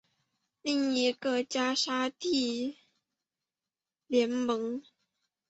另一个是加沙地带足球联赛。